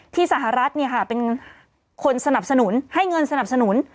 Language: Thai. ที่สหรัฐเนี่ยค่ะเป็นคนสนับสนุนให้เงินสนับสนุน